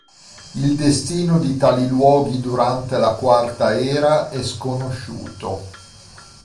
Il destino di tali luoghi durante la Quarta Era è sconosciuto.